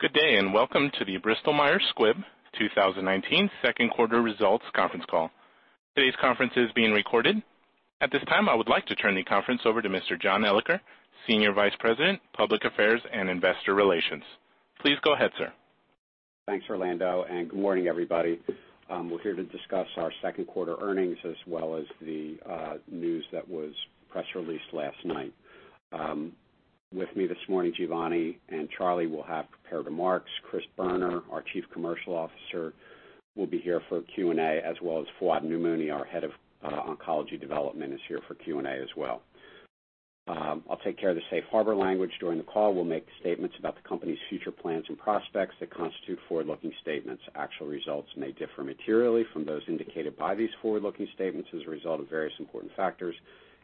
Good day, welcome to the Bristol-Myers Squibb 2019 second quarter results conference call. Today's conference is being recorded. At this time, I would like to turn the conference over to Mr. John Elicker, Senior Vice President, Public Affairs and Investor Relations. Please go ahead, sir. Thanks, Orlando, and good morning, everybody. We're here to discuss our second quarter earnings as well as the news that was press released last night. With me this morning, Giovanni and Charlie will have prepared remarks. Chris Boerner, our Chief Commercial Officer, will be here for Q&A, as well as Fouad Namouni, our Head of Oncology Development is here for Q&A as well. I'll take care of the safe harbor language. During the call, we'll make statements about the company's future plans and prospects that constitute forward-looking statements. Actual results may differ materially from those indicated by these forward-looking statements as a result of various important factors,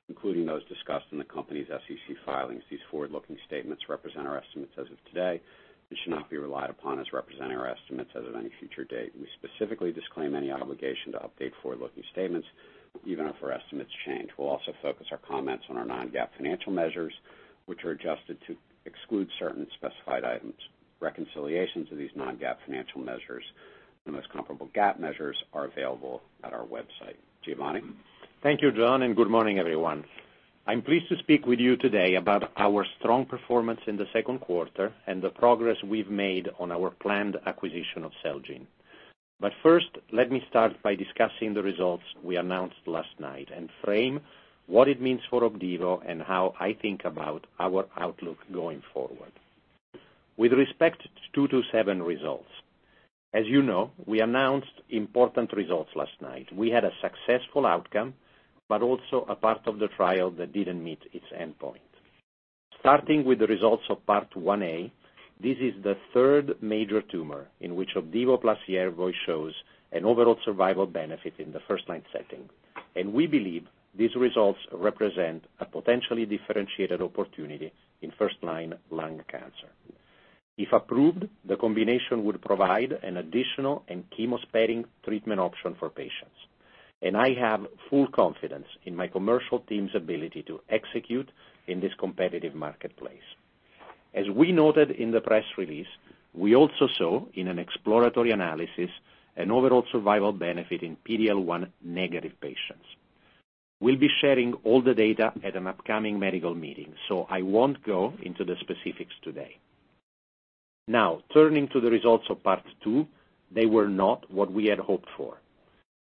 including those discussed in the company's SEC filings. These forward-looking statements represent our estimates as of today and should not be relied upon as representing our estimates as of any future date. We specifically disclaim any obligation to update forward-looking statements even if our estimates change. We'll also focus our comments on our non-GAAP financial measures, which are adjusted to exclude certain specified items. Reconciliations of these non-GAAP financial measures and the most comparable GAAP measures are available at our website. Giovanni? Thank you, John. Good morning, everyone. I'm pleased to speak with you today about our strong performance in the second quarter and the progress we've made on our planned acquisition of Celgene. First, let me start by discussing the results we announced last night and frame what it means for OPDIVO and how I think about our outlook going forward. With respect to 227 results, as you know, we announced important results last night. We had a successful outcome, but also a part of the trial that didn't meet its endpoint. Starting with the results of part 1A, this is the third major tumor in which OPDIVO plus YERVOY shows an overall survival benefit in the first-line setting, and we believe these results represent a potentially differentiated opportunity in first-line lung cancer. If approved, the combination would provide an additional and chemo-sparing treatment option for patients, and I have full confidence in my commercial team's ability to execute in this competitive marketplace. As we noted in the press release, we also saw in an exploratory analysis an overall survival benefit in PD-L1 negative patients. We'll be sharing all the data at an upcoming medical meeting, so I won't go into the specifics today. Now, turning to the results of part 2, they were not what we had hoped for.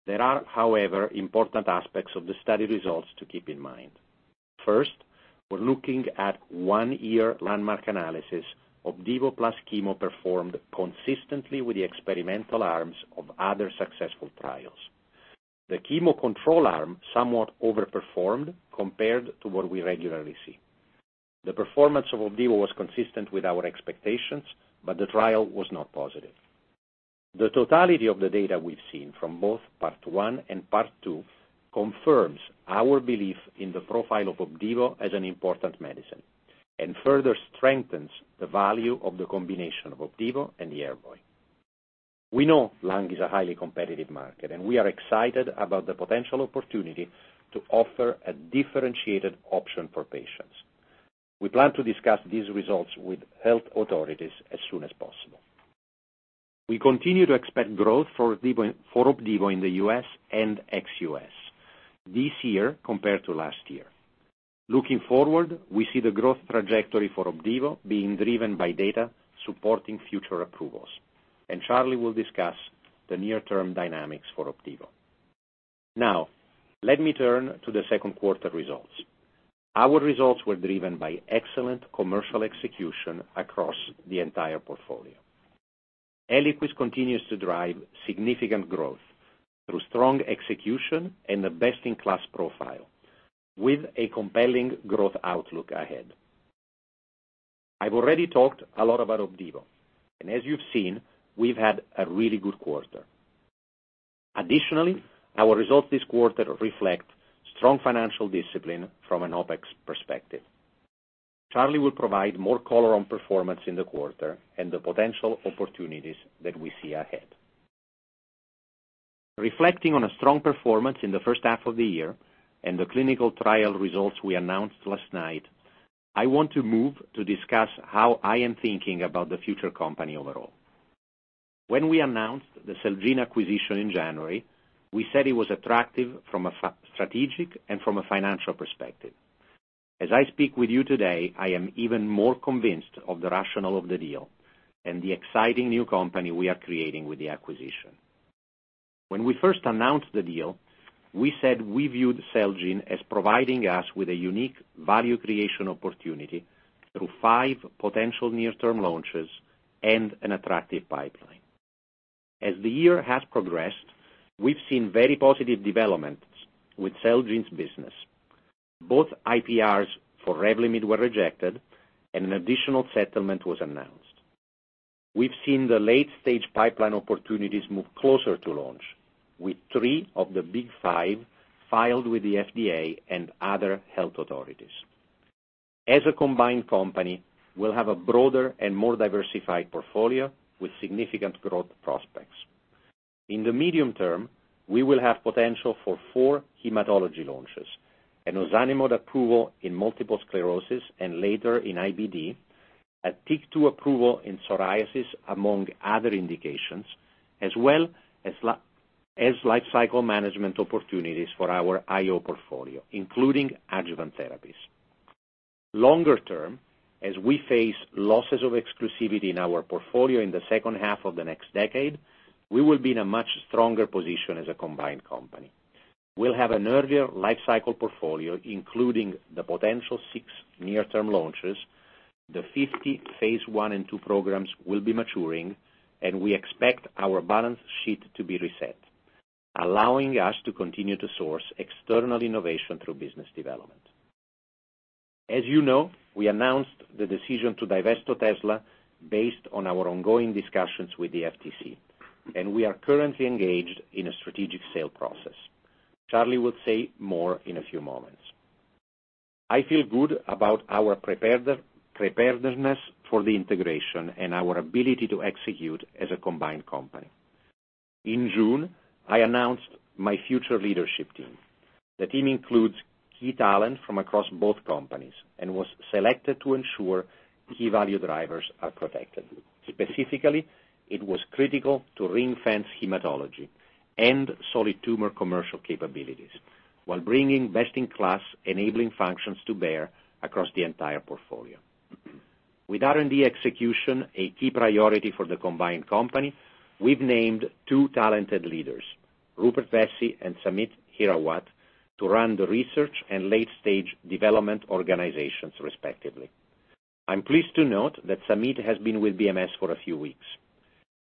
There are, however, important aspects of the study results to keep in mind. First, we're looking at one year landmark analysis Opdivo plus chemo performed consistently with the experimental arms of other successful trials. The chemo control arm somewhat overperformed compared to what we regularly see. The performance of Opdivo was consistent with our expectations, but the trial was not positive. The totality of the data we've seen from both part one and part two confirms our belief in the profile of OPDIVO as an important medicine and further strengthens the value of the combination of OPDIVO and YERVOY. We know lung is a highly competitive market, and we are excited about the potential opportunity to offer a differentiated option for patients. We plan to discuss these results with health authorities as soon as possible. We continue to expect growth for OPDIVO in the U.S. and ex-U.S. this year compared to last year. Looking forward, we see the growth trajectory for OPDIVO being driven by data supporting future approvals, and Charlie will discuss the near term dynamics for OPDIVO. Now, let me turn to the second quarter results. Our results were driven by excellent commercial execution across the entire portfolio. ELIQUIS continues to drive significant growth through strong execution and a best-in-class profile with a compelling growth outlook ahead. I've already talked a lot about OPDIVO, and as you've seen, we've had a really good quarter. Additionally, our results this quarter reflect strong financial discipline from an OPEX perspective. Charlie will provide more color on performance in the quarter and the potential opportunities that we see ahead. Reflecting on a strong performance in the first half of the year and the clinical trial results we announced last night, I want to move to discuss how I am thinking about the future company overall. When we announced the Celgene acquisition in January, we said it was attractive from a strategic and from a financial perspective. As I speak with you today, I am even more convinced of the rationale of the deal and the exciting new company we are creating with the acquisition. When we first announced the deal, we said we viewed Celgene as providing us with a unique value creation opportunity through five potential near-term launches and an attractive pipeline. As the year has progressed, we've seen very positive developments with Celgene's business. Both IPRs for REVLIMID were rejected and an additional settlement was announced. We've seen the late-stage pipeline opportunities move closer to launch with three of the big five filed with the FDA and other health authorities. As a combined company, we'll have a broader and more diversified portfolio with significant growth prospects. In the medium term, we will have potential for four hematology launches and ozanimod approval in multiple sclerosis and later in IBD, a TYK2 approval in psoriasis among other indications, as well as life cycle management opportunities for our IO portfolio, including adjuvant therapies. Longer term, as we face losses of exclusivity in our portfolio in the second half of the next decade, we will be in a much stronger position as a combined company. We'll have an earlier life cycle portfolio, including the potential six near-term launches, the 50 phase I and II programs will be maturing, and we expect our balance sheet to be reset, allowing us to continue to source external innovation through business development. As you know, we announced the decision to divest OTEZLA based on our ongoing discussions with the FTC. We are currently engaged in a strategic sale process. Charlie will say more in a few moments. I feel good about our preparedness for the integration and our ability to execute as a combined company. In June, I announced my future leadership team. The team includes key talent from across both companies and was selected to ensure key value drivers are protected. Specifically, it was critical to ring-fence hematology and solid tumor commercial capabilities while bringing best-in-class enabling functions to bear across the entire portfolio. With R&D execution a key priority for the combined company, we've named two talented leaders, Rupert Vessey and Samit Hirawat, to run the research and late-stage development organizations respectively. I'm pleased to note that Samit has been with BMS for a few weeks.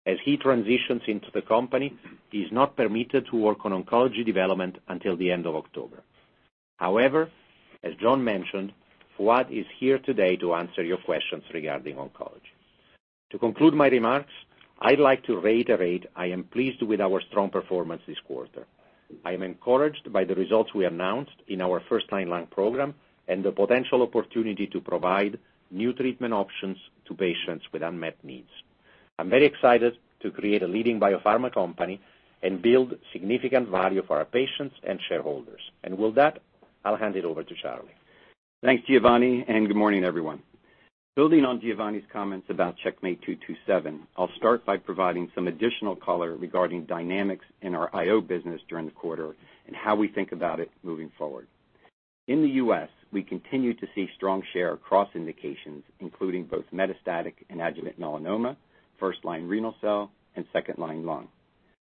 As he transitions into the company, he is not permitted to work on oncology development until the end of October. However, as John mentioned, Fouad is here today to answer your questions regarding oncology. To conclude my remarks, I'd like to reiterate I am pleased with our strong performance this quarter. I am encouraged by the results we announced in our first line lung program and the potential opportunity to provide new treatment options to patients with unmet needs. I'm very excited to create a leading biopharma company and build significant value for our patients and shareholders. With that, I'll hand it over to Charlie. Thanks, Giovanni, good morning, everyone. Building on Giovanni's comments about CheckMate 227, I'll start by providing some additional color regarding dynamics in our IO business during the quarter and how we think about it moving forward. In the U.S., we continue to see strong share across indications, including both metastatic and adjuvant melanoma, first-line renal cell, and second-line lung.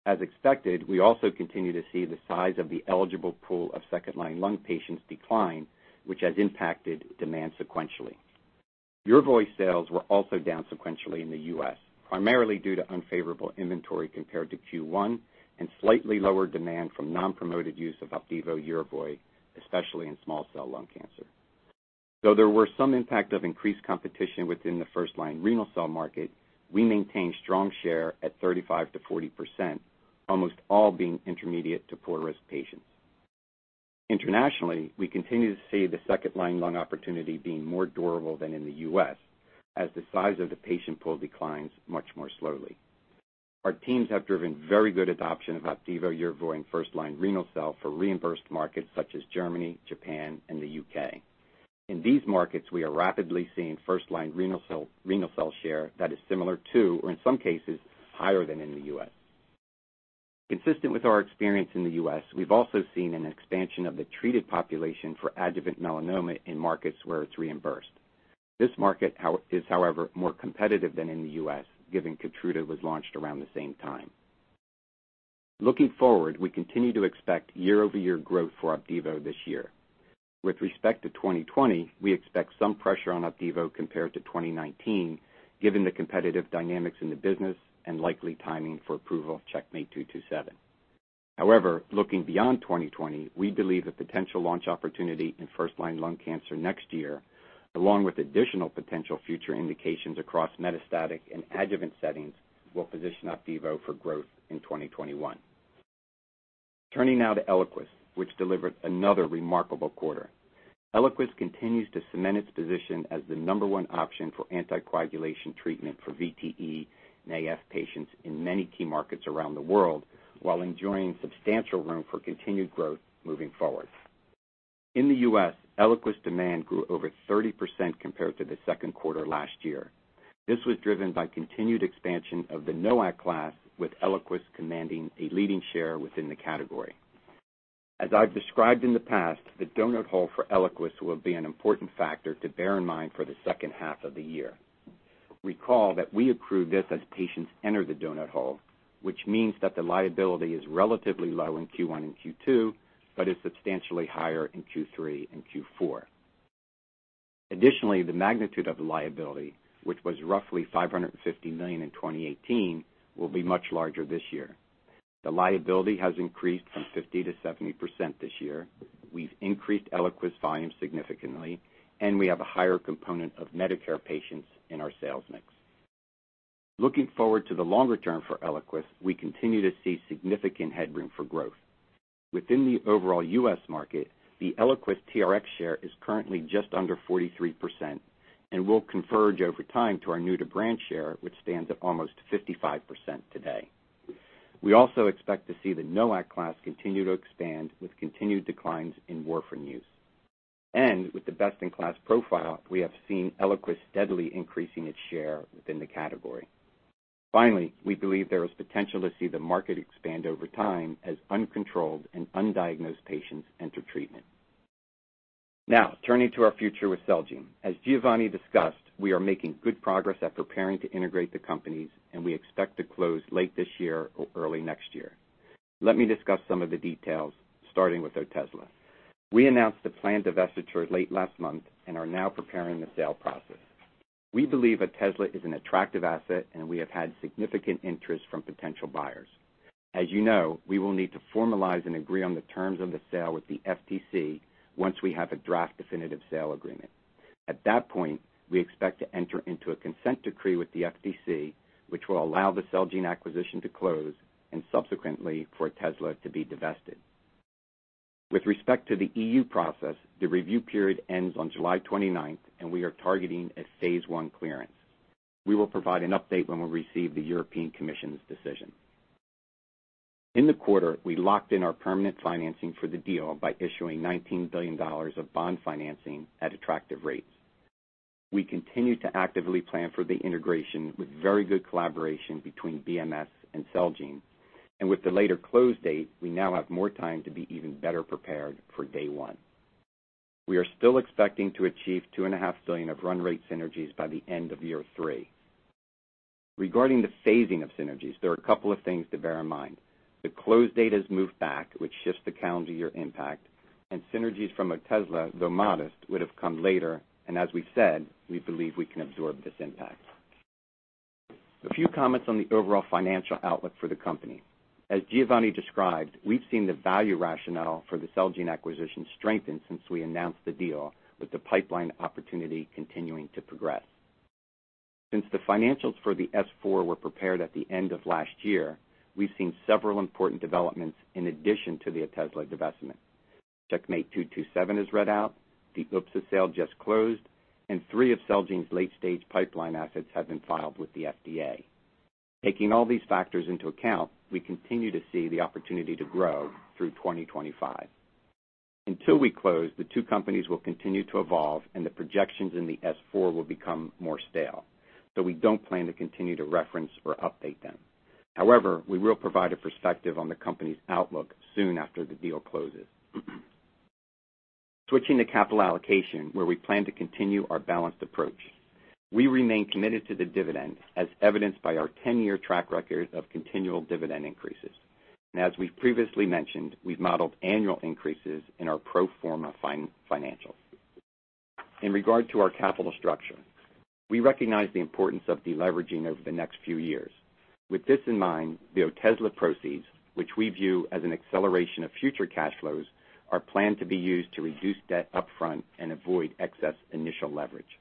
As expected, we also continue to see the size of the eligible pool of second-line lung patients decline, which has impacted demand sequentially. YERVOY sales were also down sequentially in the U.S., primarily due to unfavorable inventory compared to Q1 and slightly lower demand from non-promoted use of OPDIVO/YERVOY, especially in small cell lung cancer. There were some impact of increased competition within the first-line renal cell market, we maintained strong share at 35%-40%, almost all being intermediate to poor-risk patients. Internationally, we continue to see the second-line lung opportunity being more durable than in the U.S., as the size of the patient pool declines much more slowly. Our teams have driven very good adoption of OPDIVO/YERVOY in first-line renal cell for reimbursed markets such as Germany, Japan, and the U.K. In these markets, we are rapidly seeing first-line renal cell share that is similar to, or in some cases, higher than in the U.S. Consistent with our experience in the U.S., we've also seen an expansion of the treated population for adjuvant melanoma in markets where it's reimbursed. This market is, however, more competitive than in the U.S., given KEYTRUDA was launched around the same time. Looking forward, we continue to expect year-over-year growth for OPDIVO this year. With respect to 2020, we expect some pressure on OPDIVO compared to 2019, given the competitive dynamics in the business and likely timing for approval of CheckMate 227. Looking beyond 2020, we believe the potential launch opportunity in first-line lung cancer next year, along with additional potential future indications across metastatic and adjuvant settings, will position OPDIVO for growth in 2021. Turning now to ELIQUIS, which delivered another remarkable quarter. ELIQUIS continues to cement its position as the number one option for anticoagulation treatment for VTE and AF patients in many key markets around the world, while enjoying substantial room for continued growth moving forward. In the U.S., ELIQUIS demand grew over 30% compared to the second quarter last year. This was driven by continued expansion of the NOAC class, with ELIQUIS commanding a leading share within the category. As I've described in the past, the donut hole for ELIQUIS will be an important factor to bear in mind for the second half of the year. Recall that we accrue this as patients enter the donut hole, which means that the liability is relatively low in Q1 and Q2, but is substantially higher in Q3 and Q4. The magnitude of the liability, which was roughly $550 million in 2018, will be much larger this year. The liability has increased from 50% to 70% this year. We've increased ELIQUIS volume significantly, and we have a higher component of Medicare patients in our sales mix. Looking forward to the longer term for ELIQUIS, we continue to see significant headroom for growth. Within the overall U.S. market, the ELIQUIS TRX share is currently just under 43% and will converge over time to our new to brand share, which stands at almost 55% today. We also expect to see the NOAC class continue to expand with continued declines in warfarin use. With the best-in-class profile, we have seen ELIQUIS steadily increasing its share within the category. Finally, we believe there is potential to see the market expand over time as uncontrolled and undiagnosed patients enter treatment. Now, turning to our future with Celgene. As Giovanni discussed, we are making good progress at preparing to integrate the companies, and we expect to close late this year or early next year. Let me discuss some of the details, starting with OTEZLA. We announced the planned divestiture late last month and are now preparing the sale process. We believe Otezla is an attractive asset, and we have had significant interest from potential buyers. As you know, we will need to formalize and agree on the terms of the sale with the FTC once we have a draft definitive sale agreement. At that point, we expect to enter into a consent decree with the FTC, which will allow the Celgene acquisition to close and subsequently for Otezla to be divested. With respect to the EU process, the review period ends on July 29th, and we are targeting a phase I clearance. We will provide an update when we receive the European Commission's decision. In the quarter, we locked in our permanent financing for the deal by issuing $19 billion of bond financing at attractive rates. We continue to actively plan for the integration with very good collaboration between BMS and Celgene. With the later close date, we now have more time to be even better prepared for day one. We are still expecting to achieve two and a half billion of run rate synergies by the end of year three. Regarding the phasing of synergies, there are a couple of things to bear in mind. The close date has moved back, which shifts the calendar year impact, and synergies from Otezla, though modest, would have come later, and as we've said, we believe we can absorb this impact. A few comments on the overall financial outlook for the company. As Giovanni described, we've seen the value rationale for the Celgene acquisition strengthen since we announced the deal with the pipeline opportunity continuing to progress. Since the financials for the S4 were prepared at the end of last year, we've seen several important developments in addition to the OTEZLA divestment. CheckMate 227 is read out, the UPSA sale just closed, and three of Celgene's late-stage pipeline assets have been filed with the FDA. Taking all these factors into account, we continue to see the opportunity to grow through 2025. Until we close, the two companies will continue to evolve, and the projections in the S4 will become more stale. We don't plan to continue to reference or update them. However, we will provide a perspective on the company's outlook soon after the deal closes. Switching to capital allocation, where we plan to continue our balanced approach. We remain committed to the dividend, as evidenced by our 10-year track record of continual dividend increases. As we've previously mentioned, we've modeled annual increases in our pro forma financials. In regard to our capital structure, we recognize the importance of deleveraging over the next few years. With this in mind, the OTEZLA proceeds, which we view as an acceleration of future cash flows, are planned to be used to reduce debt upfront and avoid excess initial leverage.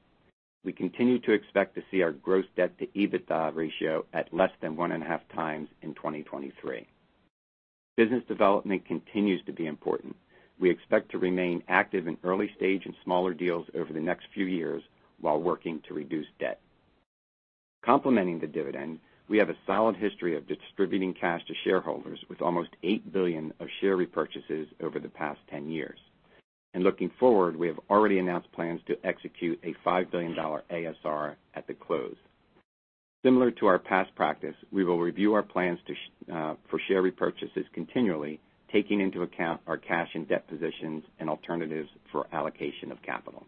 We continue to expect to see our gross debt to EBITDA ratio at less than 1.5 times in 2023. Business development continues to be important. We expect to remain active in early stage and smaller deals over the next few years while working to reduce debt. Complementing the dividend, we have a solid history of distributing cash to shareholders with almost $8 billion of share repurchases over the past 10 years. Looking forward, we have already announced plans to execute a $5 billion ASR at the close. Similar to our past practice, we will review our plans for share repurchases continually, taking into account our cash and debt positions and alternatives for allocation of capital.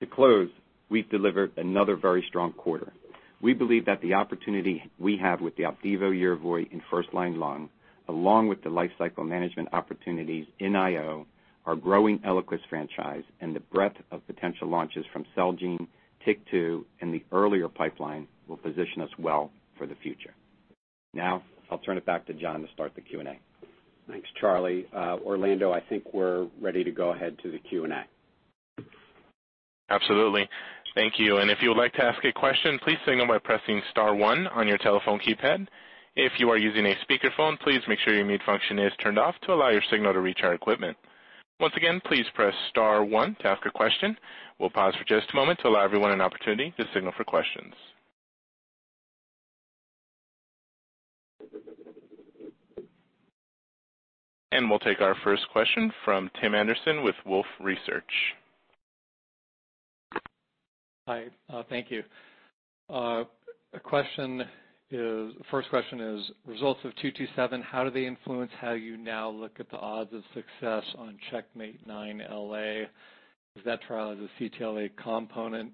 To close, we've delivered another very strong quarter. We believe that the opportunity we have with the OPDIVO/YERVOY in first-line lung, along with the life cycle management opportunities in IO, our growing ELIQUIS franchise, and the breadth of potential launches from Celgene, TYK2, and the earlier pipeline will position us well for the future. I'll turn it back to John to start the Q&A. Thanks, Charlie. Orlando, I think we're ready to go ahead to the Q&A. Absolutely. Thank you. If you would like to ask a question, please signal by pressing star 1 on your telephone keypad. If you are using a speakerphone, please make sure your mute function is turned off to allow your signal to reach our equipment. Once again, please press star 1 to ask a question. We'll pause for just a moment to allow everyone an opportunity to signal for questions. We'll take our first question from Tim Anderson with Wolfe Research. Hi. Thank you. First question is, results of CheckMate 227, how do they influence how you now look at the odds of success on CheckMate 9LA? That trial has a CTLA component.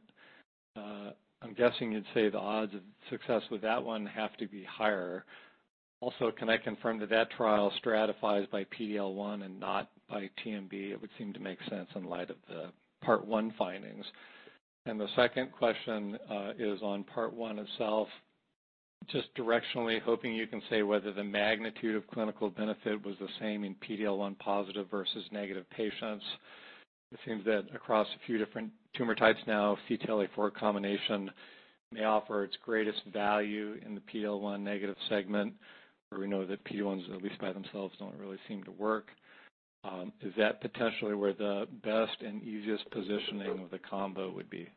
I'm guessing you'd say the odds of success with that one have to be higher. Can I confirm that that trial stratifies by PD-L1 and not by TMB? It would seem to make sense in light of the part one findings. The second question is on part one itself. Just directionally hoping you can say whether the magnitude of clinical benefit was the same in PD-L1 positive versus negative patients. It seems that across a few different tumor types now, CTLA-4 combination may offer its greatest value in the PD-L1 negative segment, where we know that PD-L1s, at least by themselves, don't really seem to work. Is that potentially where the best and easiest positioning of the combo would be?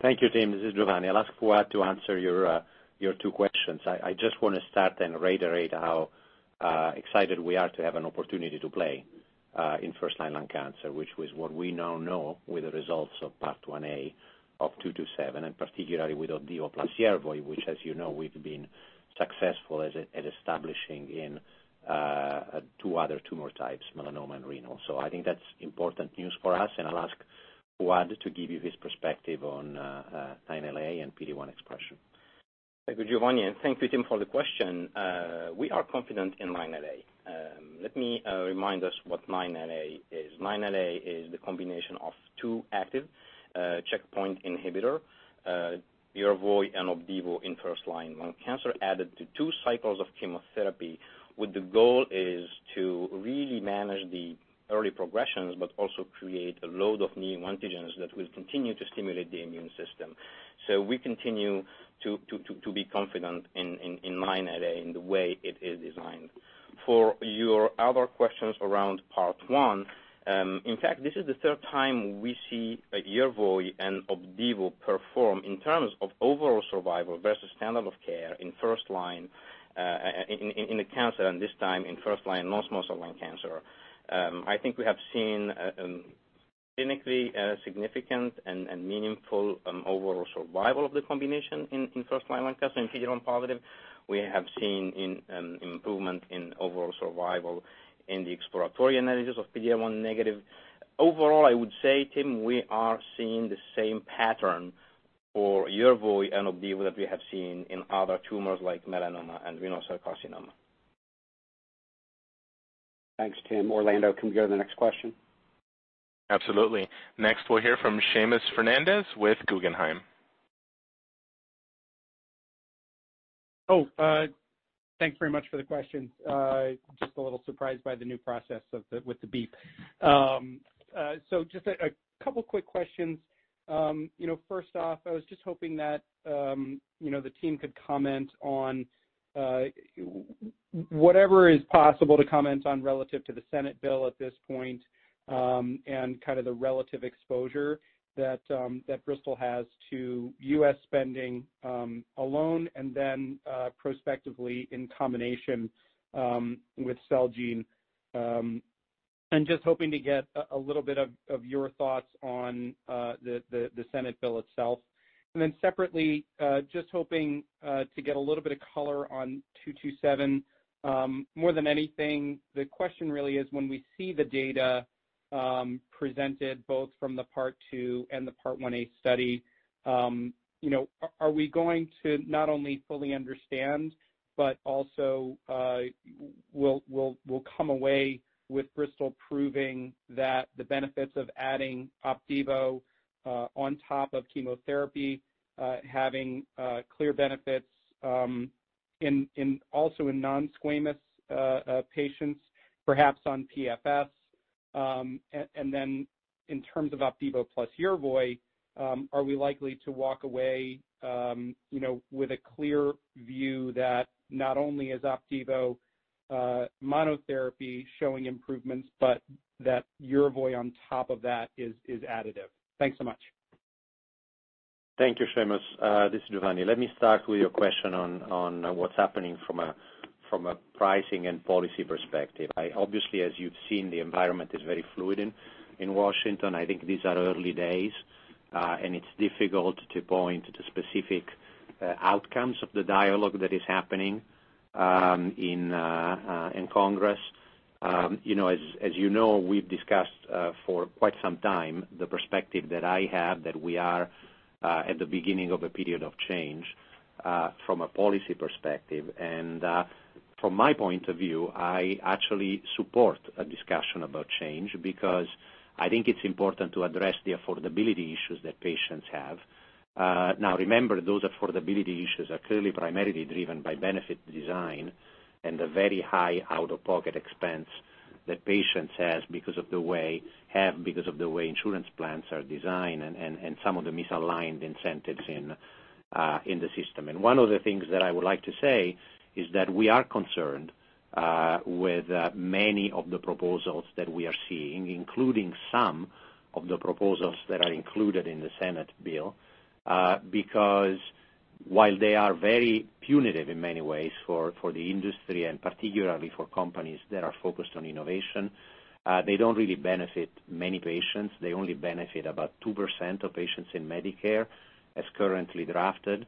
Thank you, Tim. This is Giovanni. I'll ask Fouad to answer your two questions. I just want to start and reiterate how excited we are to have an opportunity to play in first-line lung cancer, which was what we now know with the results of Part 1A of 227, and particularly with OPDIVO plus YERVOY, which as you know, we've been successful at establishing in two other tumor types, melanoma and renal. I think that's important news for us, and I'll ask Fouad to give you his perspective on 9LA and PD-1 expression. Thank you, Giovanni, and thank you, Tim, for the question. We are confident in 9LA. Let me remind us what 9LA is. 9LA is the combination of two active checkpoint inhibitor, YERVOY and OPDIVO in first-line lung cancer added to two cycles of chemotherapy with the goal is to really manage the early progressions, but also create a load of new antigens that will continue to stimulate the immune system. We continue to be confident in 9LA in the way it is designed. For your other questions around Part 1, in fact, this is the third time we see a YERVOY and OPDIVO perform in terms of overall survival versus standard of care in the cancer, and this time in first-line non-small cell lung cancer. I think we have seen a clinically significant and meaningful overall survival of the combination in first-line lung cancer in PD-L1 positive. We have seen an improvement in overall survival in the exploratory analysis of PD-L1 negative. Overall, I would say, Tim, we are seeing the same pattern for YERVOY and OPDIVO that we have seen in other tumors like melanoma and renal cell carcinoma. Thanks, Tim. Orlando, can we go to the next question? Absolutely. Next, we'll hear from Seamus Fernandez with Guggenheim. Thanks very much for the question. Just a little surprised by the new process with the beep. Just a couple quick questions. First off, I was just hoping that the team could comment on whatever is possible to comment on relative to the Senate bill at this point, and kind of the relative exposure that Bristol has to U.S. spending alone, and then prospectively in combination with Celgene. I'm just hoping to get a little bit of your thoughts on the Senate bill itself. Separately, just hoping to get a little bit of color on CheckMate 227. More than anything, the question really is when we see the data presented both from the Part 2 and the Part 1A study, are we going to not only fully understand, but also will come away with Bristol proving that the benefits of adding OPDIVO on top of chemotherapy having clear benefits also in non-squamous patients, perhaps on PFS? In terms of OPDIVO plus YERVOY, are we likely to walk away with a clear view that not only is OPDIVO monotherapy showing improvements, but that YERVOY on top of that is additive? Thanks so much. Thank you, Seamus. This is Giovanni. Let me start with your question on what's happening from a pricing and policy perspective. Obviously, as you've seen, the environment is very fluid in Washington. I think these are early days, and it's difficult to point to specific outcomes of the dialogue that is happening in Congress. As you know, we've discussed for quite some time the perspective that I have that we are at the beginning of a period of change from a policy perspective. From my point of view, I actually support a discussion about change because I think it's important to address the affordability issues that patients have. Now, remember, those affordability issues are clearly primarily driven by benefit design and the very high out-of-pocket expense that patients have because of the way insurance plans are designed and some of the misaligned incentives in the system. One of the things that I would like to say is that we are concerned with many of the proposals that we are seeing, including some of the proposals that are included in the Senate bill. While they are very punitive in many ways for the industry, and particularly for companies that are focused on innovation, they don't really benefit many patients. They only benefit about 2% of patients in Medicare as currently drafted.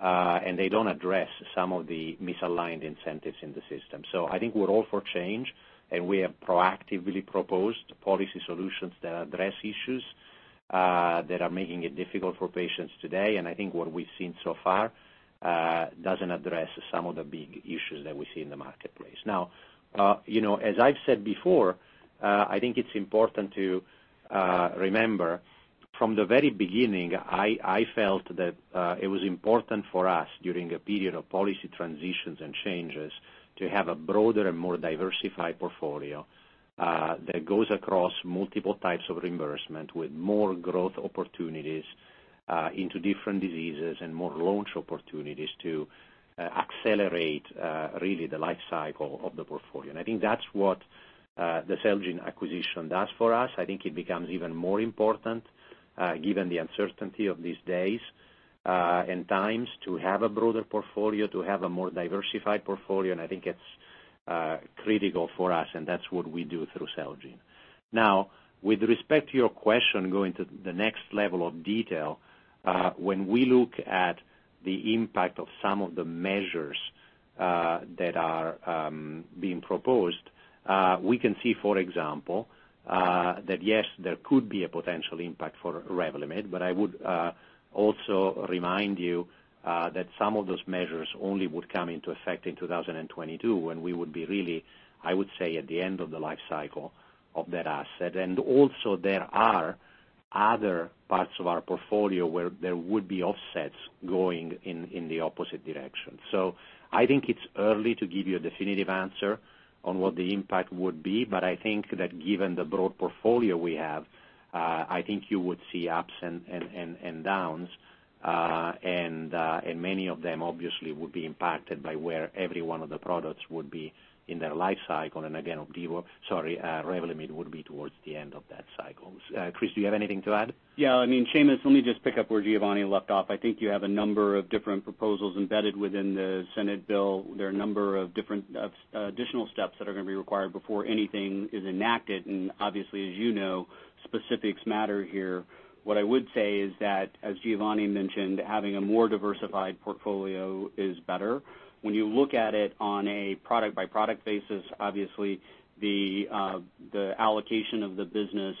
They don't address some of the misaligned incentives in the system. I think we're all for change, and we have proactively proposed policy solutions that address issues that are making it difficult for patients today. I think what we've seen so far doesn't address some of the big issues that we see in the marketplace. Now, as I've said before, I think it's important to remember. From the very beginning, I felt that it was important for us, during a period of policy transitions and changes, to have a broader and more diversified portfolio that goes across multiple types of reimbursement with more growth opportunities into different diseases and more launch opportunities to accelerate really the life cycle of the portfolio. I think that's what the Celgene acquisition does for us. I think it becomes even more important given the uncertainty of these days and times to have a broader portfolio, to have a more diversified portfolio, and I think it's critical for us, and that's what we do through Celgene. Now, with respect to your question, going to the next level of detail, when we look at the impact of some of the measures that are being proposed, we can see, for example, that yes, there could be a potential impact for REVLIMID. I would also remind you that some of those measures only would come into effect in 2022 when we would be really, I would say, at the end of the life cycle of that asset. Also there are other parts of our portfolio where there would be offsets going in the opposite direction. I think it's early to give you a definitive answer on what the impact would be, but I think that given the broad portfolio we have, I think you would see ups and downs. Many of them obviously would be impacted by where every one of the products would be in their life cycle and again, OPDIVO, sorry, REVLIMID would be towards the end of that cycle. Chris, do you have anything to add? Yeah, Seamus, let me just pick up where Giovanni left off. I think you have a number of different proposals embedded within the Senate bill. There are a number of different additional steps that are going to be required before anything is enacted, and obviously, as you know, specifics matter here. What I would say is that, as Giovanni mentioned, having a more diversified portfolio is better. When you look at it on a product-by-product basis, obviously the allocation of the business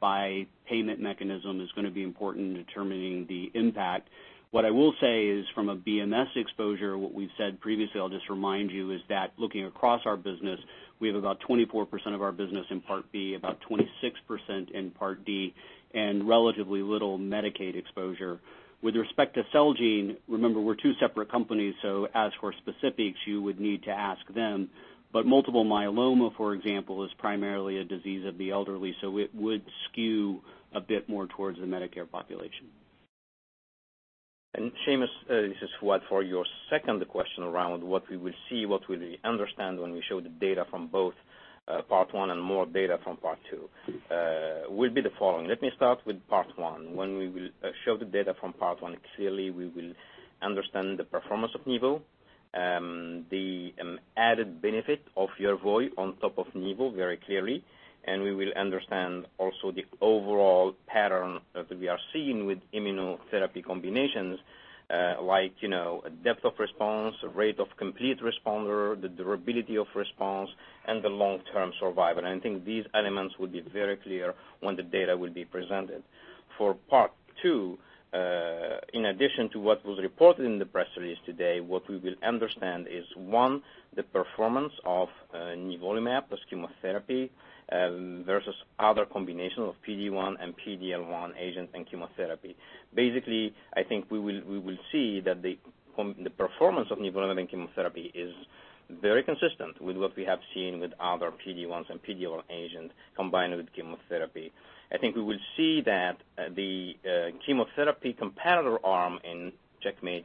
by payment mechanism is going to be important in determining the impact. What I will say is from a BMS exposure, what we've said previously, I'll just remind you, is that looking across our business, we have about 24% of our business in Part B, about 26% in Part D, and relatively little Medicaid exposure. With respect to Celgene, remember, we're two separate companies, so as for specifics, you would need to ask them. multiple myeloma, for example, is primarily a disease of the elderly, so it would skew a bit more towards the Medicare population. Seamus, this is Fouad. For your second question around what we will see, what we will understand when we show the data from both part one and more data from part two will be the following. Let me start with part one. When we will show the data from part one, clearly we will understand the performance of nivo, the added benefit of YERVOY on top of nivo very clearly, and we will understand also the overall pattern that we are seeing with immunotherapy combinations like depth of response, rate of complete responder, the durability of response, and the long-term survival. I think these elements will be very clear when the data will be presented. For Part 2, in addition to what was reported in the press release today, what we will understand is, one, the performance of nivolumab as chemotherapy versus other combinations of PD-1 and PD-L1 agents and chemotherapy. Basically, I think we will see that the performance of nivolumab and chemotherapy is very consistent with what we have seen with other PD-1s and PD-L1 agents combined with chemotherapy. I think we will see that the chemotherapy comparator arm in CheckMate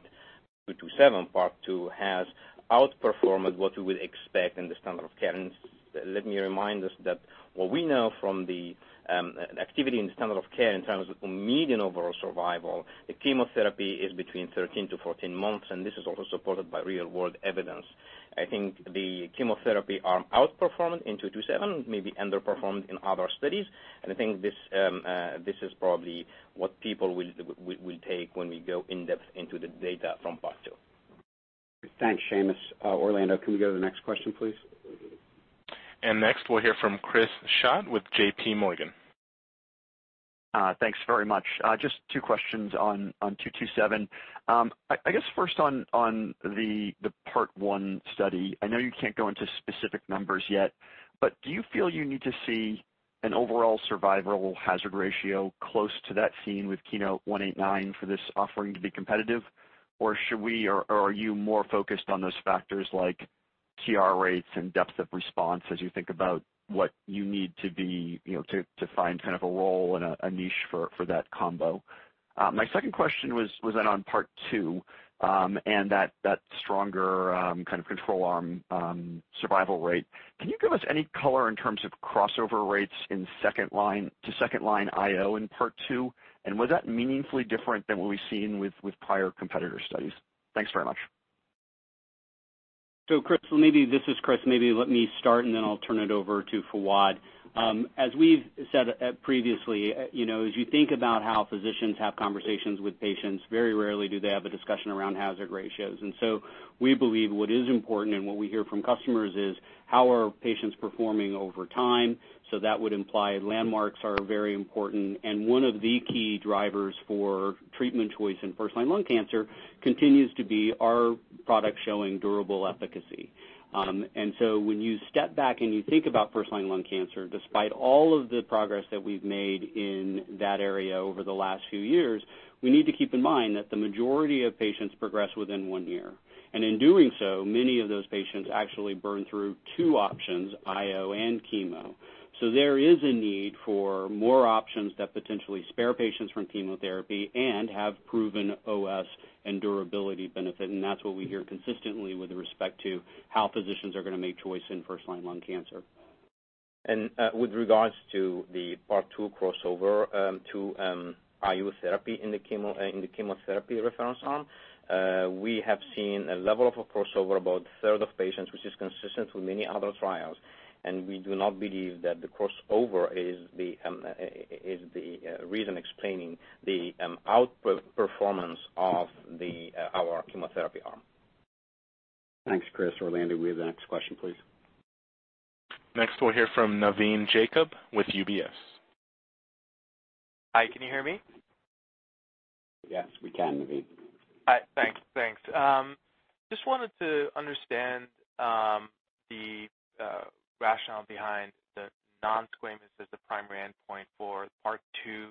227, Part 2 has outperformed what we would expect in the standard of care. Let me remind us that what we know from the activity in the standard of care in terms of median overall survival, the chemotherapy is between 13 to 14 months, and this is also supported by real-world evidence. I think the chemotherapy arm outperformed in 227, maybe underperformed in other studies. I think this is probably what people will take when we go in depth into the data from part 2. Thanks, Seamus. Orlando, can we go to the next question, please? Next we'll hear from Chris Schott with J.P. Morgan. Thanks very much. Just two questions on 227. I guess first on the part one study. I know you can't go into specific numbers yet, but do you feel you need to see an overall survival hazard ratio close to that seen with KEYNOTE 189 for this offering to be competitive? Are you more focused on those factors like CR rates and depth of response as you think about what you need to find kind of a role and a niche for that combo? My second question was on part two, that stronger kind of control arm survival rate. Can you give us any color in terms of crossover rates to second-line IO in part two? Was that meaningfully different than what we've seen with prior competitor studies? Thanks very much. Chris, this is Chris. Maybe let me start, and then I'll turn it over to Fouad. As we've said previously, as you think about how physicians have conversations with patients, very rarely do they have a discussion around hazard ratios. We believe what is important and what we hear from customers is how are patients performing over time. That would imply landmarks are very important. One of the key drivers for treatment choice in first-line lung cancer continues to be our product showing durable efficacy. When you step back and you think about first-line lung cancer, despite all of the progress that we've made in that area over the last few years, we need to keep in mind that the majority of patients progress within one year. In doing so, many of those patients actually burn through two options, IO and chemo. There is a need for more options that potentially spare patients from chemotherapy and have proven OS and durability benefit, and that's what we hear consistently with respect to how physicians are going to make choices in first-line lung cancer. With regards to the Part 2 crossover to IO therapy in the chemotherapy reference arm, we have seen a level of a crossover about a third of patients, which is consistent with many other trials. We do not believe that the crossover is the reason explaining the outperformance of our chemotherapy arm. Thanks, Chris. Orlando, we have the next question, please. Next, we'll hear from Navin Jacob with UBS. Hi, can you hear me? Yes, we can, Navin. All right. Thanks. Just wanted to understand the rationale behind the non-squamous as the primary endpoint for Part 2.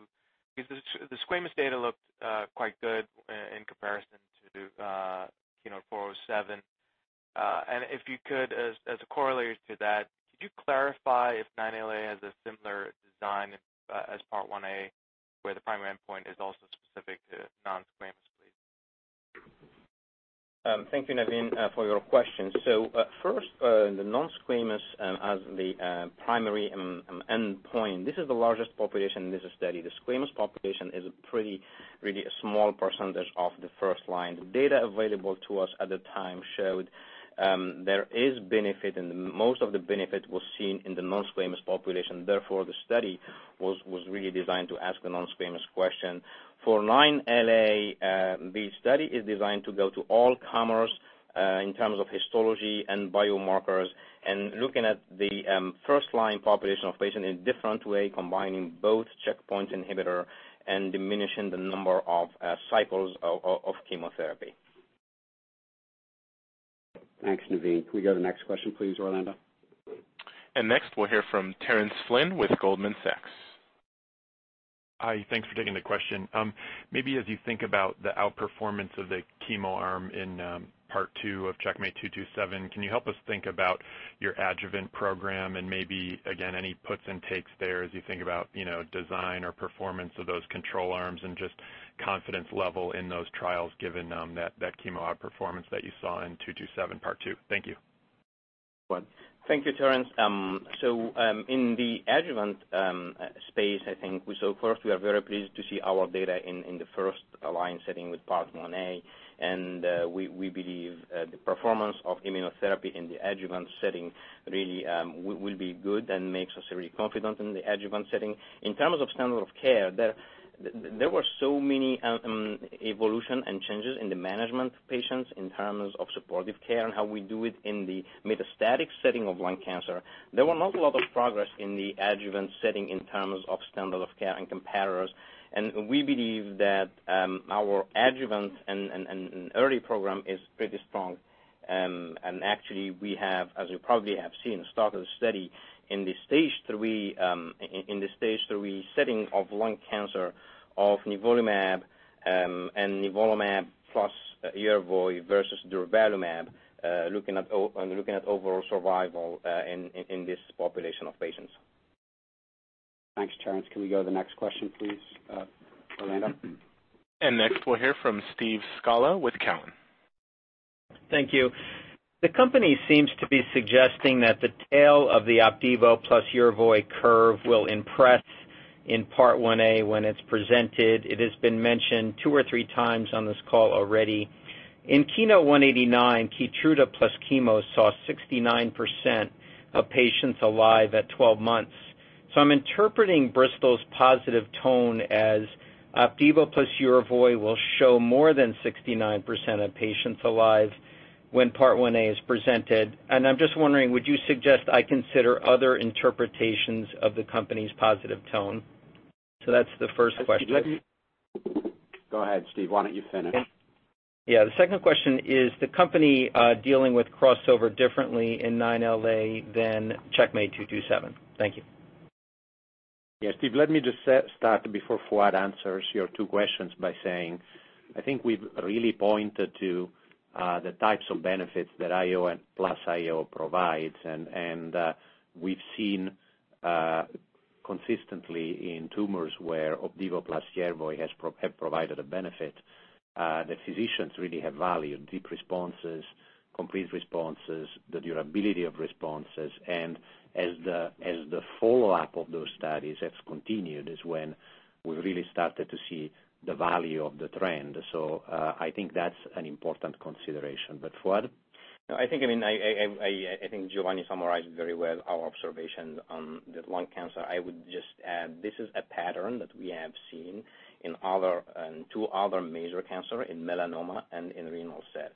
The squamous data looked quite good in comparison to KEYNOTE 407. If you could, as a corollary to that, could you clarify if 9LA has a similar design as Part 1A, where the primary endpoint is also specific to non-squamous, please? Thank you, Navin, for your question. First, the non-squamous as the primary endpoint. This is the largest population in this study. The squamous population is a pretty really small percentage of the first line. Data available to us at the time showed there is benefit, and most of the benefit was seen in the non-squamous population. Therefore, the study was really designed to ask a non-squamous question. For 9LA, the study is designed to go to all comers, in terms of histology and biomarkers, and looking at the first-line population of patients in different way, combining both checkpoint inhibitor and diminishing the number of cycles of chemotherapy. Thanks, Navin. Can we go to the next question please, Orlando? Next, we'll hear from Terence Flynn with Goldman Sachs. Hi. Thanks for taking the question. Maybe as you think about the outperformance of the chemo arm in Part 2 of CheckMate 227, can you help us think about your adjuvant program and maybe again, any puts and takes there as you think about design or performance of those control arms and just confidence level in those trials given that chemo outperformance that you saw in 227 Part 2. Thank you. Thank you, Terence. In the adjuvant space, I think, so of course, we are very pleased to see our data in the first-line setting with Part 1A, and we believe the performance of immunotherapy in the adjuvant setting really will be good and makes us really confident in the adjuvant setting. In terms of standard of care, there were so many evolution and changes in the management patients in terms of supportive care and how we do it in the metastatic setting of lung cancer. There were not a lot of progress in the adjuvant setting in terms of standard of care and comparers. We believe that our adjuvant and early program is pretty strong. Actually, we have, as you probably have seen, started a study in the stage III setting of lung cancer of nivolumab and nivolumab plus YERVOY versus durvalumab, looking at overall survival in this population of patients. Thanks, Terence. Can we go to the next question, please? Orlando? Next we'll hear from Steve Scala with Cowen. Thank you. The company seems to be suggesting that the tail of the OPDIVO plus YERVOY curve will impress in Part 1A when it's presented. It has been mentioned two or three times on this call already. In KEYNOTE-189, KEYTRUDA plus chemo saw 69% of patients alive at 12 months. I'm interpreting Bristol's positive tone as OPDIVO plus YERVOY will show more than 69% of patients alive when Part 1A is presented. I'm just wondering, would you suggest I consider other interpretations of the company's positive tone? That's the first question. Go ahead, Steve. Why don't you finish? Yeah. The second question is the company dealing with crossover differently in 9LA than CheckMate 227? Thank you. Steve, let me just start before Fouad answers your two questions by saying, I think we've really pointed to the types of benefits that IO and plus IO provides. We've seen consistently in tumors where OPDIVO plus YERVOY have provided a benefit. The physicians really have valued deep responses, complete responses, the durability of responses. As the follow-up of those studies has continued is when we really started to see the value of the trend. I think that's an important consideration. Fouad? I think Giovanni summarized very well our observation on the lung cancer. I would just add, this is a pattern that we have seen in two other major cancer, in melanoma and in renal cell.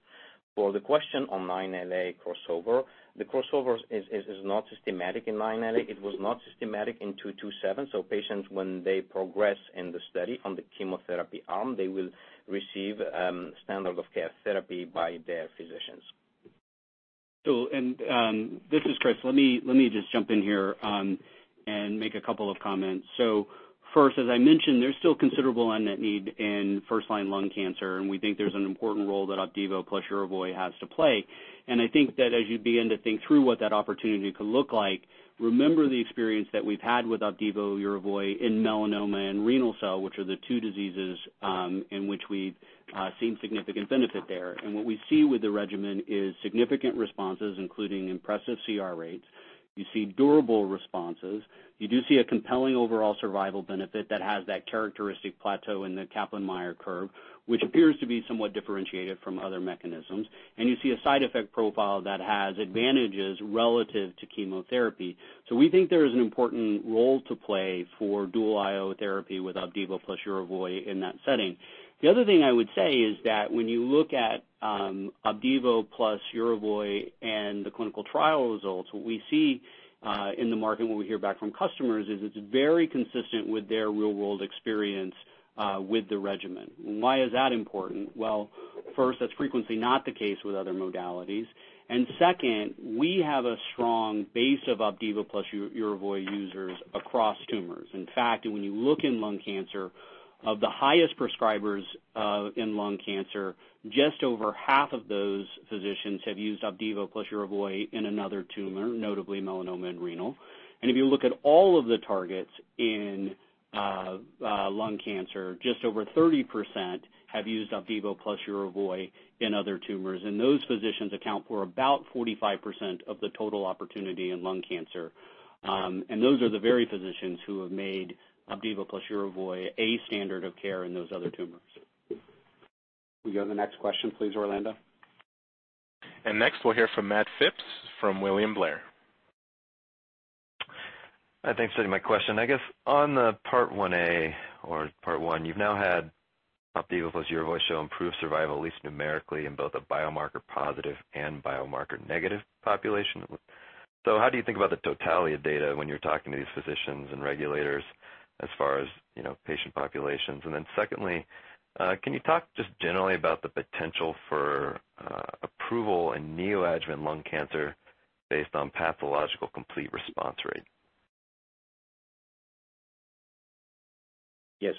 For the question on 9LA crossover, the crossover is not systematic in 9LA. It was not systematic in 227. Patients, when they progress in the study on the chemotherapy arm, they will receive standard of care therapy by their physicians. This is Chris. Let me just jump in here and make a couple of comments. First, as I mentioned, there's still considerable unmet need in first-line lung cancer, and we think there's an important role that OPDIVO plus YERVOY has to play. I think that as you begin to think through what that opportunity could look like, remember the experience that we've had with OPDIVO/YERVOY in melanoma and renal cell, which are the two diseases in which we've seen significant benefit there. What we see with the regimen is significant responses, including impressive CR rates. You see durable responses. You do see a compelling overall survival benefit that has that characteristic plateau in the Kaplan-Meier curve, which appears to be somewhat differentiated from other mechanisms. You see a side effect profile that has advantages relative to chemotherapy. We think there is an important role to play for dual IO therapy with OPDIVO plus YERVOY in that setting. The other thing I would say is that when you look at OPDIVO plus YERVOY and the clinical trial results, what we see in the market and what we hear back from customers is it's very consistent with their real-world experience with the regimen. Why is that important? Well, first, that's frequently not the case with other modalities. Second, we have a strong base of OPDIVO plus YERVOY users across tumors. In fact, when you look in lung cancer, of the highest prescribers in lung cancer, just over half of those physicians have used OPDIVO plus YERVOY in another tumor, notably melanoma and renal. If you look at all of the targets in lung cancer, just over 30% have used OPDIVO plus YERVOY in other tumors, and those physicians account for about 45% of the total opportunity in lung cancer. Those are the very physicians who have made OPDIVO plus YERVOY a standard of care in those other tumors. Can we go to the next question please, Orlando? Next we'll hear from Matt Phipps with William Blair. Thanks for taking my question. I guess on the part 1A or part 1, you've now had OPDIVO plus YERVOY show improved survival, at least numerically, in both a biomarker positive and biomarker negative population. How do you think about the totality of data when you're talking to these physicians and regulators as far as patient populations? Secondly, can you talk just generally about the potential for approval in neoadjuvant lung cancer based on pathological complete response rate? Yes.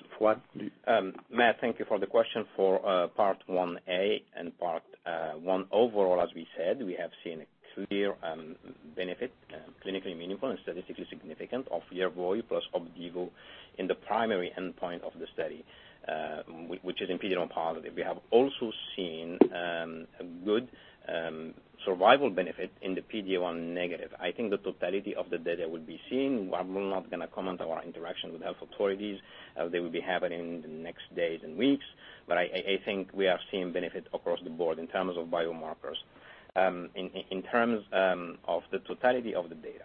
Matt, thank you for the question. For part 1A and part 1 overall, as we said, we have seen a clear benefit, clinically meaningful and statistically significant of YERVOY plus OPDIVO in the primary endpoint of the study, which is in PD-L1 positive. We have also seen good survival benefit in the PD-L1 negative. I think the totality of the data will be seen. I'm not going to comment on our interaction with health authorities as they will be happening in the next days and weeks. I think we are seeing benefit across the board in terms of biomarkers, in terms of the totality of the data.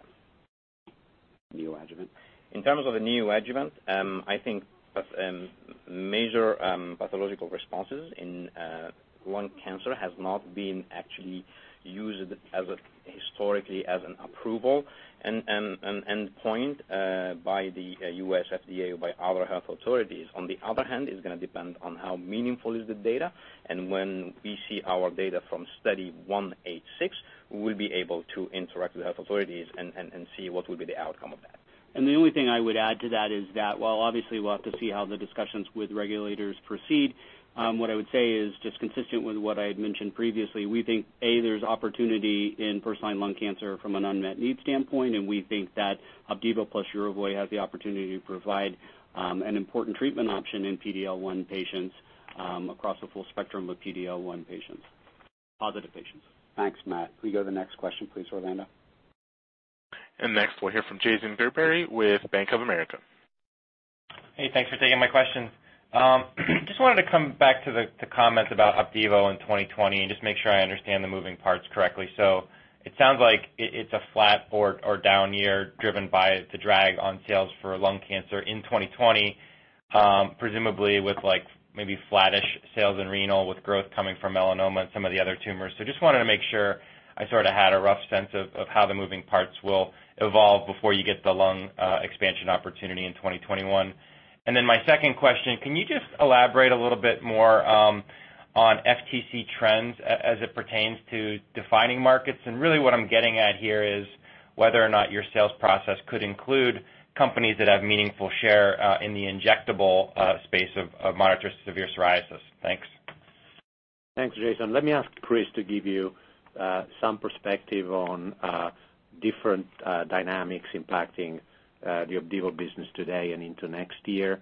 Neoadjuvant. In terms of the neoadjuvant, I think major pathological responses in lung cancer has not been actually used historically as an approval and endpoint by the U.S. FDA or by other health authorities. It's going to depend on how meaningful is the data, and when we see our data from CheckMate 816, we'll be able to interact with health authorities and see what will be the outcome of that. The only thing I would add to that is that while obviously we'll have to see how the discussions with regulators proceed, what I would say is just consistent with what I had mentioned previously, we think, A, there's opportunity in first-line lung cancer from an unmet need standpoint, and we think that OPDIVO plus YERVOY has the opportunity to provide an important treatment option in PD-L1 patients across the full spectrum of PD-L1 patients, positive patients. Thanks, Matt. Can we go to the next question please, Orlando? Next we'll hear from Jason Gerberry with Bank of America. Hey, thanks for taking my question. Wanted to come back to the comments about OPDIVO in 2020 and just make sure I understand the moving parts correctly. It sounds like it's a flat or down year driven by the drag on sales for lung cancer in 2020, presumably with maybe flattish sales in renal with growth coming from melanoma and some of the other tumors. Wanted to make sure I sort of had a rough sense of how the moving parts will evolve before you get the lung expansion opportunity in 2021. My second question, can you just elaborate a little bit more on FTC trends as it pertains to defining markets? Really what I'm getting at here is whether or not your sales process could include companies that have meaningful share in the injectable space of moderate to severe psoriasis. Thanks. Thanks, Jason. Let me ask Chris to give you some perspective on different dynamics impacting the OPDIVO business today and into next year.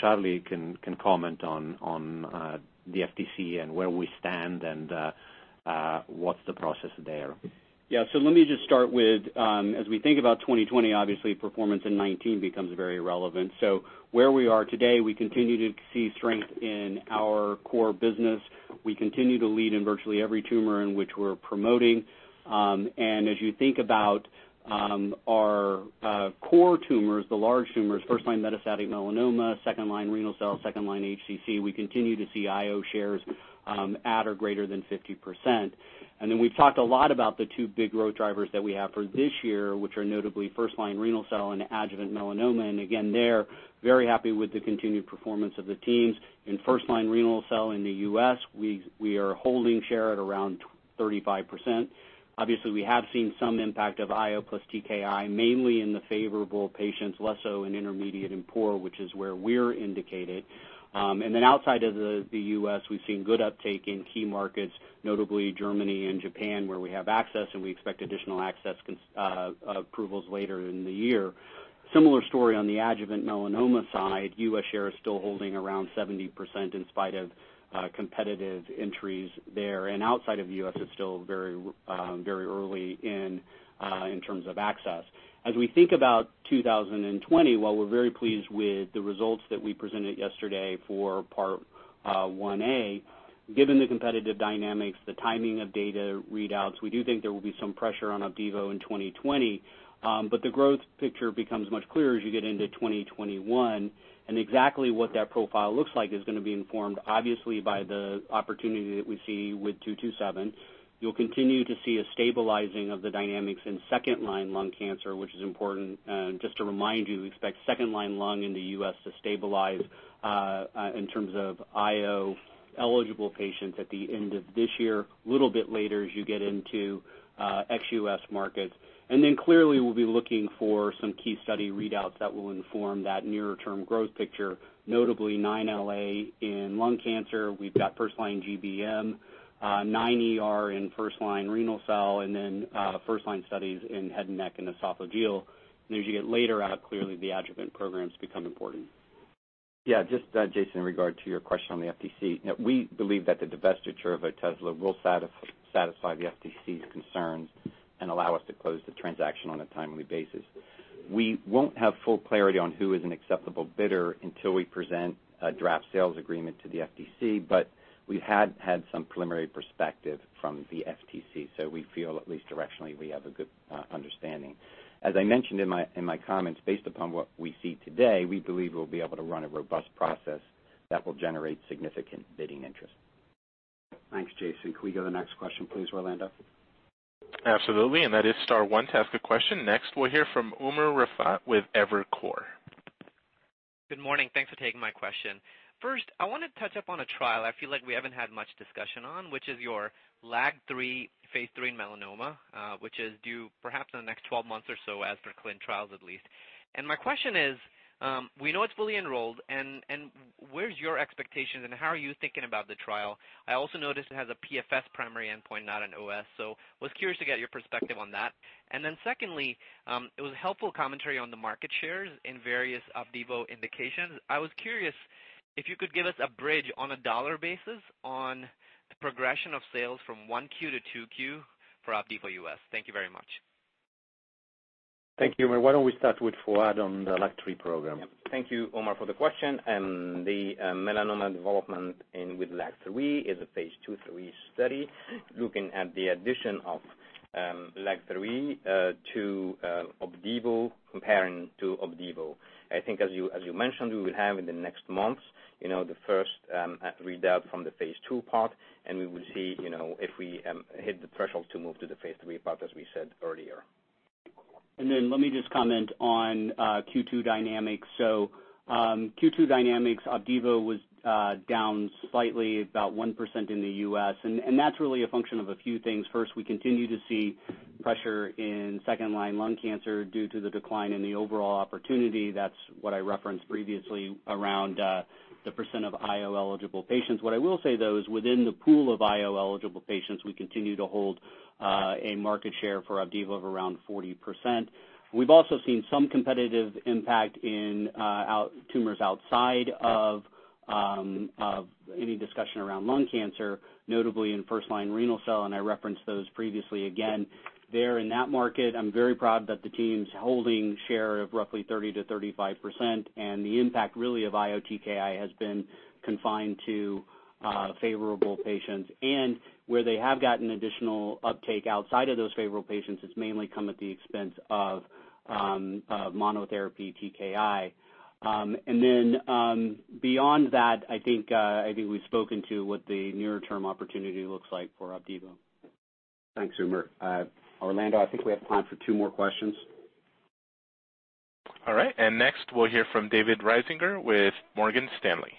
Charlie can comment on the FTC and where we stand and what's the process there. Let me just start with, as we think about 2020, obviously performance in 2019 becomes very relevant. Where we are today, we continue to see strength in our core business. We continue to lead in virtually every tumor in which we're promoting. As you think about our core tumors, the large tumors, first-line metastatic melanoma, second-line renal cell, second-line HCC, we continue to see IO shares at, or greater than 50%. We've talked a lot about the two big growth drivers that we have for this year, which are notably first-line renal cell and adjuvant melanoma. Again, there, very happy with the continued performance of the teams. In first-line renal cell in the U.S., we are holding share at around 35%. Obviously, we have seen some impact of IO plus TKI, mainly in the favorable patients, less so in intermediate and poor, which is where we're indicated. Outside of the U.S., we've seen good uptake in key markets, notably Germany and Japan, where we have access, and we expect additional access approvals later in the year. Similar story on the adjuvant melanoma side. U.S. share is still holding around 70% in spite of competitive entries there. Outside of the U.S., it's still very early in terms of access. As we think about 2020, while we're very pleased with the results that we presented yesterday for Part 1A, given the competitive dynamics, the timing of data readouts, we do think there will be some pressure on OPDIVO in 2020. The growth picture becomes much clearer as you get into 2021. Exactly what that profile looks like is going to be informed, obviously, by the opportunity that we see with 227. You'll continue to see a stabilizing of the dynamics in second-line lung cancer, which is important. Just to remind you, we expect second-line lung in the U.S. to stabilize, in terms of IO eligible patients at the end of this year, little bit later as you get into ex-U.S. markets. Clearly, we'll be looking for some key study readouts that will inform that nearer term growth picture, notably 9LA in lung cancer. We've got first-line GBM, 9ER in first-line renal cell, first-line studies in head and neck and esophageal. As you get later out, clearly the adjuvant programs become important. Yeah. Jason, in regard to your question on the FTC. We believe that the divestiture of OTEZLA will satisfy the FTC's concerns and allow us to close the transaction on a timely basis. We won't have full clarity on who is an acceptable bidder until we present a draft sales agreement to the FTC, but we have had some preliminary perspective from the FTC, so we feel at least directionally, we have a good understanding. As I mentioned in my comments, based upon what we see today, we believe we'll be able to run a robust process that will generate significant bidding interest. Thanks, Jason. Can we go to the next question, please, Orlando? Absolutely, that is star one to ask a question. Next, we'll hear from Umer Raffat with Evercore. Good morning. Thanks for taking my question. First, I want to touch up on a trial I feel like we haven't had much discussion on, which is your LAG-3, phase III melanoma, which is due perhaps in the next 12 months or so as per clin trials at least. My question is, we know it's fully enrolled, and where's your expectations and how are you thinking about the trial? I also noticed it has a PFS primary endpoint, not an OS, so was curious to get your perspective on that. Secondly, it was a helpful commentary on the market shares in various OPDIVO indications. I was curious if you could give us a bridge on a dollar basis on the progression of sales from one Q to two Q for OPDIVO U.S. Thank you very much. Thank you, Umer. Why don't we start with Fouad on the LAG-3 program? Yeah. Thank you, Umer, for the question. The melanoma development in with LAG-3 is a phase II/III study looking at the addition of LAG-3 to OPDIVO, comparing to OPDIVO. I think as you mentioned, we will have in the next months the first readout from the phase II part, we will see if we hit the threshold to move to the phase III part as we said earlier. Let me just comment on Q2 dynamics. Q2 dynamics, OPDIVO was down slightly, about 1% in the U.S., that's really a function of a few things. First, we continue to see pressure in second-line lung cancer due to the decline in the overall opportunity. That's what I referenced previously around the percent of IO eligible patients. What I will say, though, is within the pool of IO eligible patients, we continue to hold a market share for OPDIVO of around 40%. We've also seen some competitive impact in tumors outside of any discussion around lung cancer, notably in first-line renal cell, and I referenced those previously. Again, there in that market, I'm very proud that the team's holding share of roughly 30%-35%, and the impact really of IO TKI has been confined to favorable patients. Where they have gotten additional uptake outside of those favorable patients, it's mainly come at the expense of monotherapy TKI. Beyond that, I think we've spoken to what the nearer term opportunity looks like for OPDIVO. Thanks, Umer. Orlando, I think we have time for two more questions. All right. Next we'll hear from David Risinger with Morgan Stanley.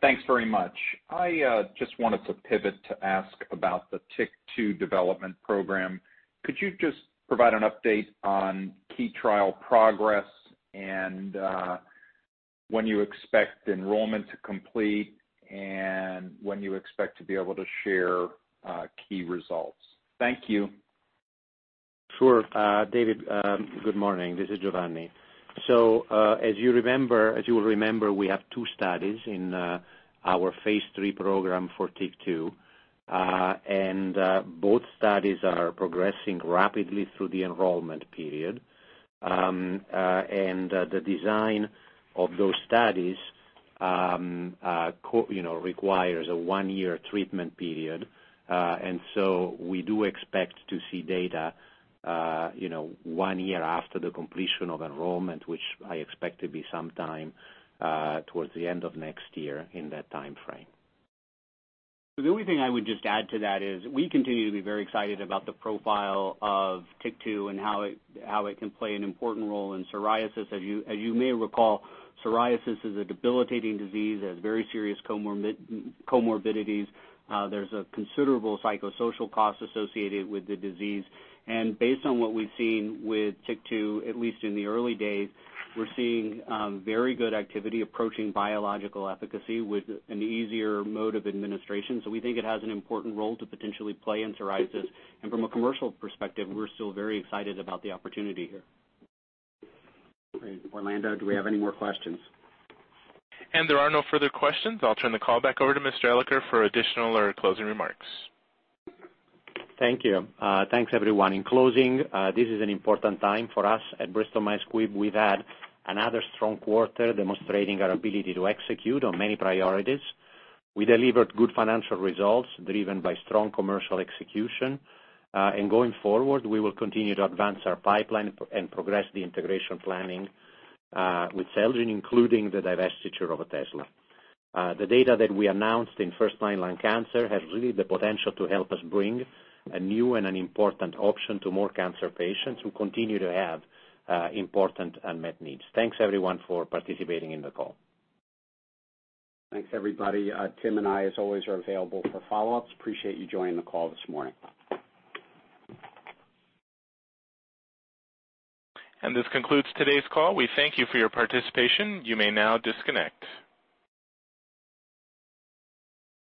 Thanks very much. I just wanted to pivot to ask about the TYK2 development program. Could you just provide an update on key trial progress and when you expect enrollment to complete and when you expect to be able to share key results? Thank you. Sure. David, good morning. This is Giovanni. As you will remember, we have two studies in our phase III program for TYK2. Both studies are progressing rapidly through the enrollment period. The design of those studies requires a one-year treatment period. We do expect to see data one year after the completion of enrollment, which I expect to be sometime towards the end of next year in that timeframe. The only thing I would just add to that is we continue to be very excited about the profile of TYK2 and how it can play an important role in psoriasis. As you may recall, psoriasis is a debilitating disease that has very serious comorbidities. There's a considerable psychosocial cost associated with the disease. Based on what we've seen with TYK2, at least in the early days, we're seeing very good activity approaching biological efficacy with an easier mode of administration. We think it has an important role to potentially play in psoriasis. From a commercial perspective, we're still very excited about the opportunity here. Great. Orlando, do we have any more questions? There are no further questions. I'll turn the call back over to Mr. Elicker for additional or closing remarks. Thank you. Thanks, everyone. In closing, this is an important time for us at Bristol-Myers Squibb. We've had another strong quarter demonstrating our ability to execute on many priorities. We delivered good financial results driven by strong commercial execution. Going forward, we will continue to advance our pipeline and progress the integration planning with Celgene, including the divestiture of OTEZLA. The data that we announced in first-line cancer has really the potential to help us bring a new and an important option to more cancer patients who continue to have important unmet needs. Thanks, everyone, for participating in the call. Thanks, everybody. Tim and I, as always, are available for follow-ups. Appreciate you joining the call this morning. This concludes today's call. We thank you for your participation. You may now disconnect.